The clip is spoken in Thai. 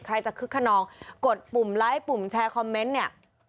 ใครจะคึกขนองกดปุ่มไลค์ปุ่มแชร์คอมเมนต์เนี่ย